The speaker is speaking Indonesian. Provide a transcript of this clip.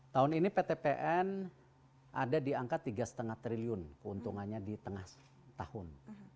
tahun ini ptpn ada di angka rp tiga lima triliun keuntungannya di tengah tahun